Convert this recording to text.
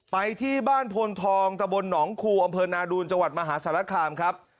ไปที่บ้านพลทองตะบลหนองคูอำเภอนาดูนจมหาศรษฐ์รัฐคลามครับ